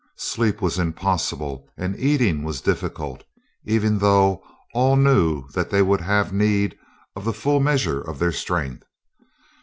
Sleep was impossible and eating was difficult, even though all knew that they would have need of the full measure of their strength.